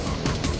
terima kasih wak